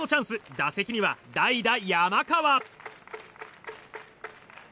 打席には代打、山川。